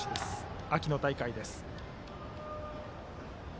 秋の大会です。